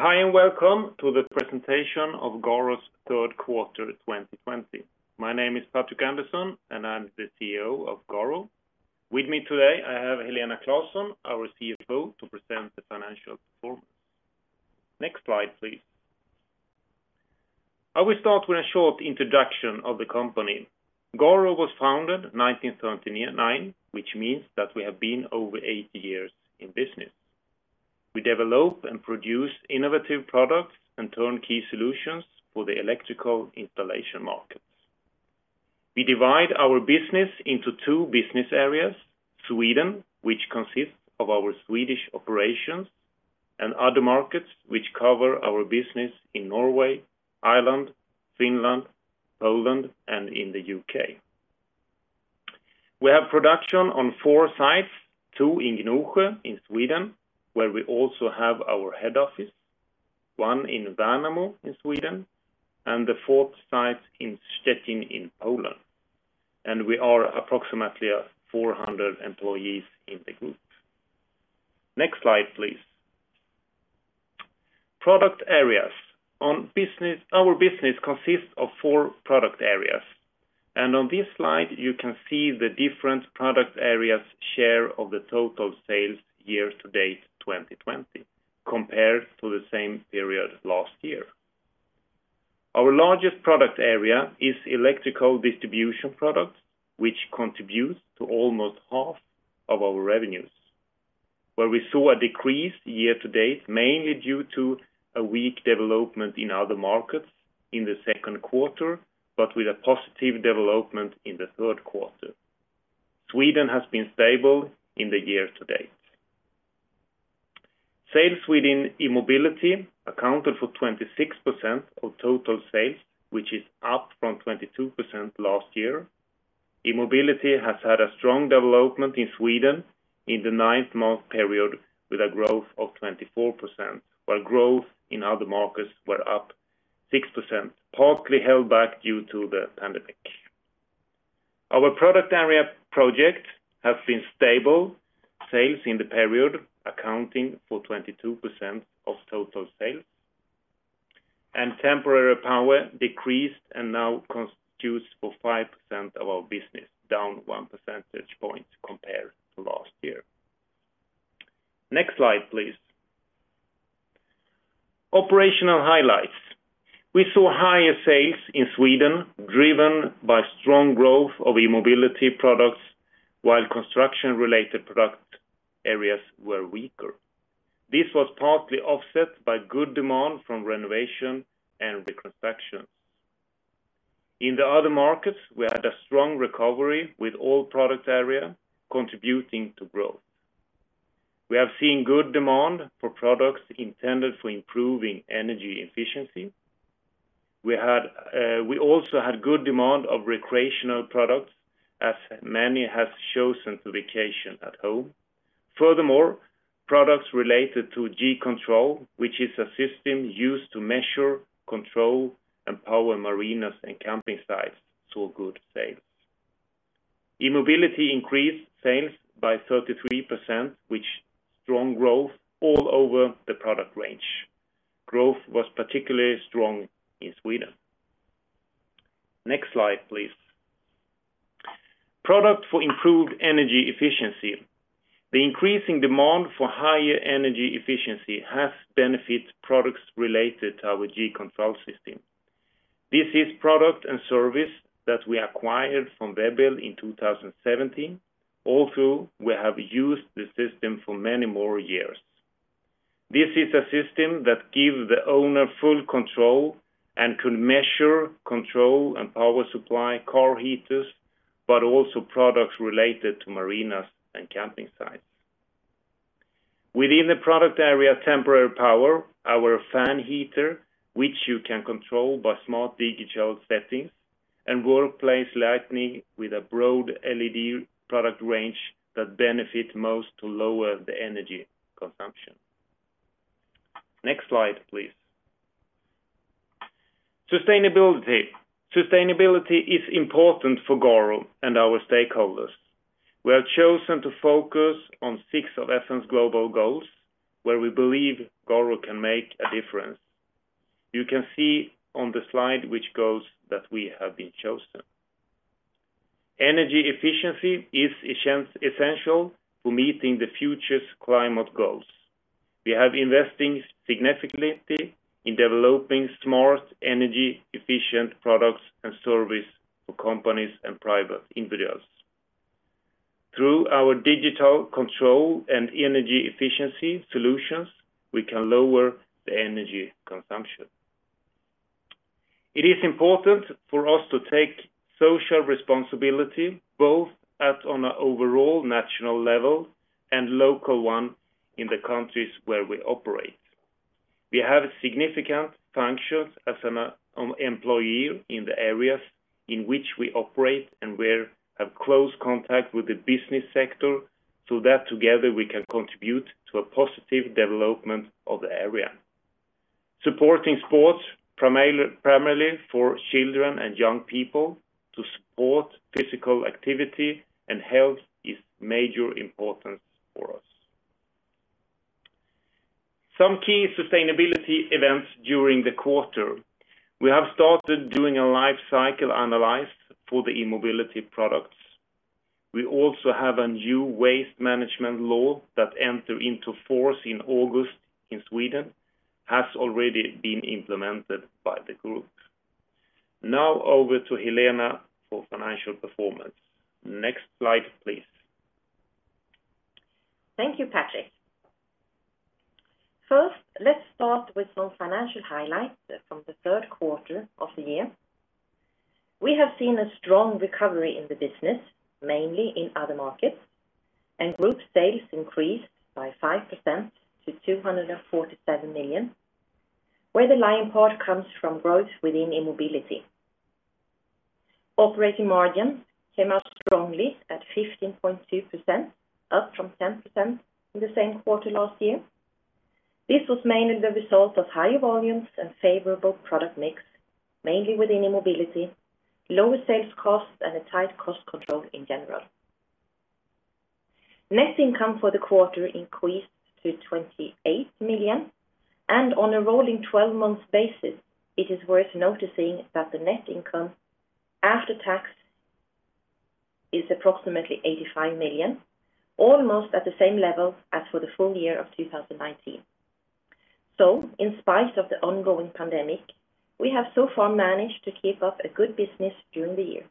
Hi, welcome to the presentation of GARO's third quarter 2020. My name is Patrik Andersson, and I'm the CEO of GARO. With me today, I have Helena Claesson, our CFO, to present the financial performance. Next slide, please. I will start with a short introduction of the company. GARO was founded 1939, which means that we have been over 80 years in business. We develop and produce innovative products and turnkey solutions for the electrical installation markets. We divide our business into two business areas, Sweden, which consists of our Swedish operations, and Other markets, which cover our business in Norway, Ireland, Finland, Poland, and in the U.K. We have production on four sites, two in Gnosjö in Sweden, where we also have our head office, one in Värnamo in Sweden, and the fourth site in Szczecin in Poland. We are approximately 400 employees in the Group. Next slide, please. Product areas. Our business consists of four product areas, and on this slide, you can see the different product areas share of the total sales year-to-date 2020 compared to the same period last year. Our largest product area is Electrical distribution products, which contributes to almost half of our revenues, where we saw a decrease year-to-date, mainly due to a weak development in Other markets in the second quarter, but with a positive development in the third quarter. Sweden has been stable in the year-to-date. Sales within E-mobility accounted for 26% of total sales, which is up from 22% last year. E-mobility has had a strong development in Sweden in the nine-month period with a growth of 24%, while growth in Other markets were up 6%, partly held back due to the pandemic. Our product area Project has been stable, sales in the period accounting for 22% of total sales, and Temporary Power decreased and now constitutes for 5% of our business, down 1 percentage point compared to last year. Next slide, please. Operational highlights. We saw higher sales in Sweden driven by strong growth of E-mobility products while construction-related product areas were weaker. This was partly offset by good demand from renovation and reconstruction. In the Other markets, we had a strong recovery with all product area contributing to growth. We have seen good demand for products intended for improving energy efficiency. We also had good demand of recreational products as many have chosen to vacation at home. Furthermore, products related to G-Ctrl, which is a system used to measure, control, and power marinas and camping sites, saw good sales. E-mobility increased sales by 33%, with strong growth all over the product range. Growth was particularly strong in Sweden. Next slide, please. Product for improved energy efficiency. The increasing demand for higher energy efficiency has benefited products related to our G-Ctrl system. This is product and service that we acquired from WEB-EL in 2017, although we have used the system for many more years. This is a system that gives the owner full control and could measure, control, and power supply car heaters, but also products related to marinas and camping sites. Within the product area Temporary Power, our fan heater, which you can control by smart digital settings and workplace lighting with a broad LED product range that benefit most to lower the energy consumption. Next slide, please. Sustainability. Sustainability is important for GARO and our stakeholders. We have chosen to focus on six of UN's Global Goals where we believe GARO can make a difference. You can see on the slide which goals that we have been chosen. Energy efficiency is essential to meeting the future's climate goals. We have investing significantly in developing smart, energy-efficient products and service for companies and private individuals. Through our digital control and energy efficiency solutions, we can lower the energy consumption. It is important for us to take social responsibility both at on a overall national level and local one in the countries where we operate. We have significant functions as an employer in the areas in which we operate and where have close contact with the business sector so that together we can contribute to a positive development of the area. Supporting sports primarily for children and young people to support physical activity and health is major importance for us. Some key sustainability events during the quarter. We have started doing a life cycle analysis for the E-mobility products. We also have a new waste management law that enter into force in August in Sweden, has already been implemented by the Group. Now over to Helena for financial performance. Next slide, please. Thank you, Patrik. First, let's start with some financial highlights from the third quarter of the year. We have seen a strong recovery in the business, mainly in Other markets, and Group sales increased by 5% to 247 million, where the lion part comes from growth within E-mobility. Operating margins came out strongly at 15.2%, up from 10% in the same quarter last year. This was mainly the result of higher volumes and favorable product mix, mainly within E-mobility, lower sales costs, and a tight cost control in general. Net income for the quarter increased to 28 million, and on a rolling 12 months basis, it is worth noticing that the net income after tax is approximately 85 million, almost at the same level as for the full year of 2019. In spite of the ongoing pandemic, we have so far managed to keep up a good business during the year.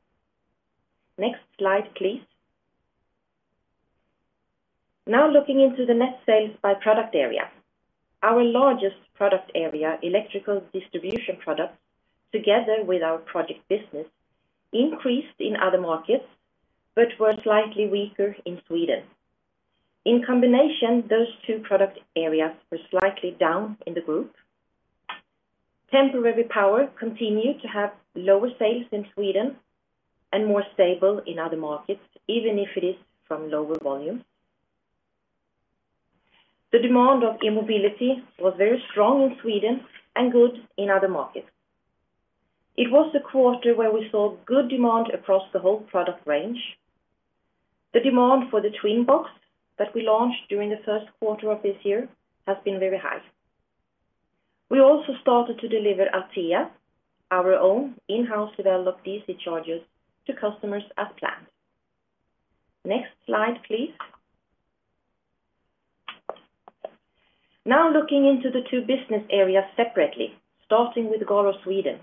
Next slide, please. Looking into the net sales by product area. Our largest product area, Electrical distribution products, together with our Project business, increased in Other markets but were slightly weaker in Sweden. In combination, those two product areas were slightly down in the Group. Temporary Power continued to have lower sales in Sweden and more stable in Other markets, even if it is from lower volumes. The demand of E-mobility was very strong in Sweden and good in Other markets. It was a quarter where we saw good demand across the whole product range. The demand for the Twinbox that we launched during the first quarter of this year has been very high. We also started to deliver Althea, our own in-house developed DC chargers, to customers as planned. Next slide, please. Now looking into the two business areas separately, starting with GARO Sweden.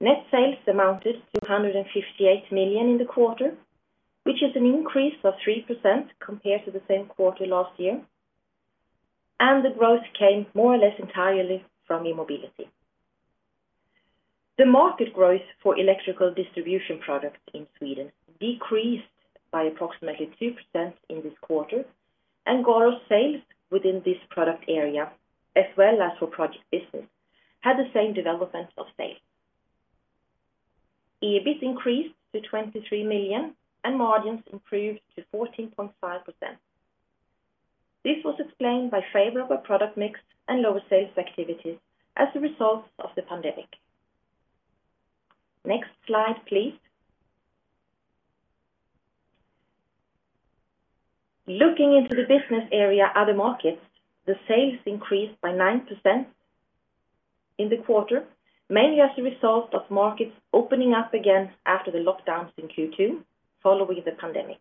Net sales amounted to 158 million in the quarter, which is an increase of 3% compared to the same quarter last year. The growth came more or less entirely from E-mobility. The market growth for Electrical distribution products in Sweden decreased by approximately 2% in this quarter. GARO sales within this product area, as well as for Project business, had the same development of sales. EBIT increased to 23 million. Margins improved to 14.5%. This was explained by favorable product mix and lower sales activities as a result of the pandemic. Next slide, please. Looking into the business area, Other markets, the sales increased by 9% in the quarter, mainly as a result of markets opening up again after the lockdowns in Q2 following the pandemic.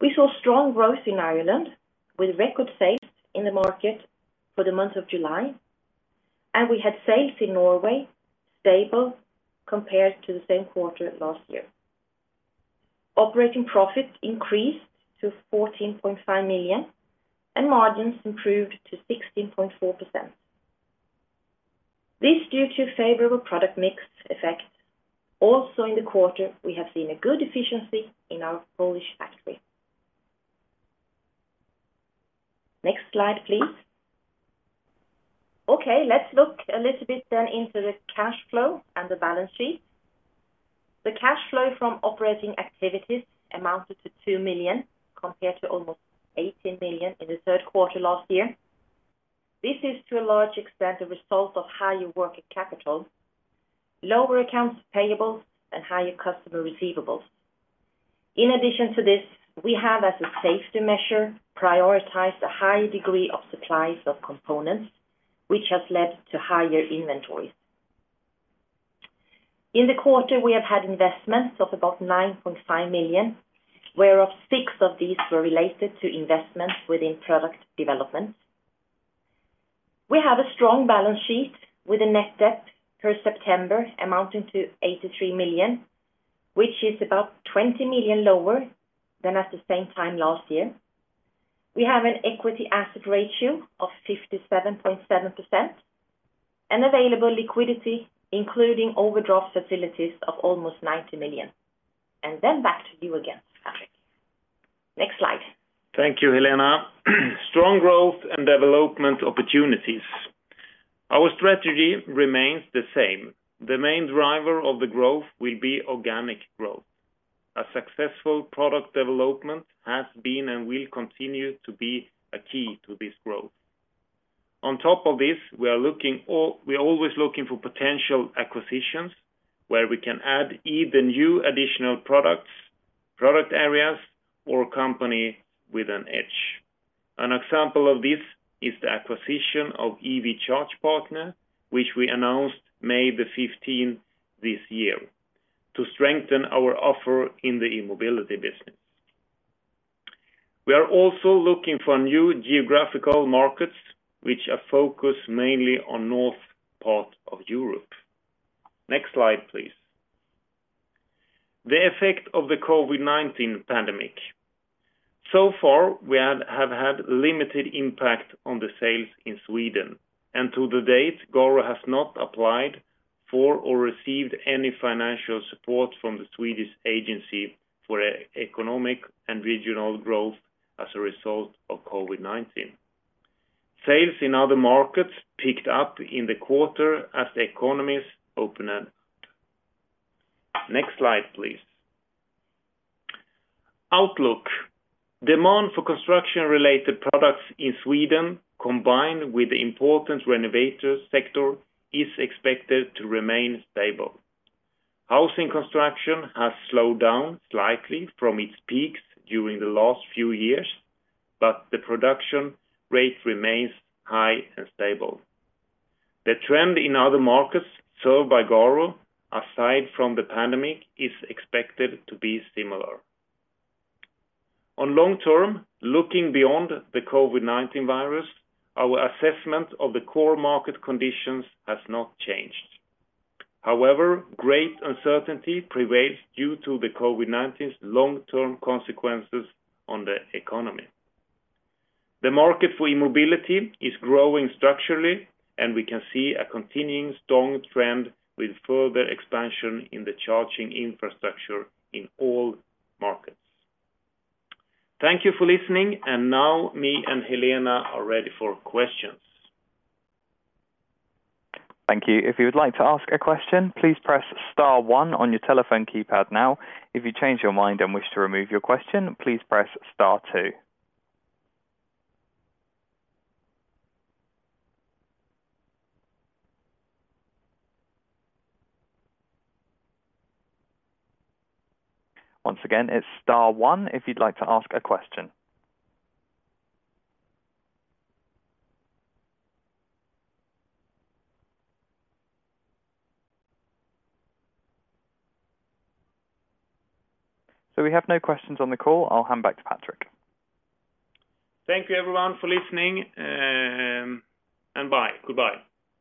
We saw strong growth in Ireland with record sales in the market for the month of July. We had sales in Norway stable compared to the same quarter last year. Operating profit increased to 14.5 million, and margins improved to 16.4%. This due to favorable product mix effects. In the quarter, we have seen a good efficiency in our Polish factory. Next slide, please. Okay, let's look a little bit then into the cash flow and the balance sheet. The cash flow from operating activities amounted to 2 million compared to almost 18 million in the third quarter last year. This is to a large extent the result of higher working capital, lower accounts payables, and higher customer receivables. In addition to this, we have as a safety measure prioritized a high degree of supplies of components, which has led to higher inventories. In the quarter, we have had investments of about 9.5 million, whereof 6 million of these were related to investments within product development. We have a strong balance sheet with a net debt per September amounting to 83 million, which is about 20 million lower than at the same time last year. We have an equity asset ratio of 57.7% and available liquidity, including overdraft facilities of almost 90 million. Back to you again, Patrik. Next slide. Thank you, Helena. Strong growth and development opportunities. Our strategy remains the same. The main driver of the growth will be organic growth. A successful product development has been and will continue to be a key to this growth. On top of this, we are always looking for potential acquisitions where we can add either new additional products, product areas, or a company with an edge. An example of this is the acquisition of EV Charge Partner, which we announced May the 15th this year to strengthen our offer in the E-mobility business. We are also looking for new geographical markets, which are focused mainly on North part of Europe. Next slide, please. The effect of the COVID-19 pandemic. Far, we have had limited impact on the sales in Sweden, and to date, GARO has not applied for or received any financial support from the Swedish Agency for Economic and Regional Growth as a result of COVID-19. Sales in Other markets picked up in the quarter as the economies opened up. Next slide, please. Outlook. Demand for construction-related products in Sweden, combined with the important renovation sector, is expected to remain stable. Housing construction has slowed down slightly from its peaks during the last few years, but the production rate remains high and stable. The trend in Other markets served by GARO, aside from the pandemic, is expected to be similar. On long term, looking beyond the COVID-19 virus, our assessment of the core market conditions has not changed. However, great uncertainty prevails due to the COVID-19's long-term consequences on the economy. The market for E-mobility is growing structurally. We can see a continuing strong trend with further expansion in the charging infrastructure in all markets. Thank you for listening. Now me and Helena are ready for questions. Thank you. If you would like to ask a question please press star one on your telephone keypad now. If you change your mind and wish to remove your question please press star two. We have no questions on the call. I'll hand back to Patrik. Thank you, everyone, for listening, and goodbye.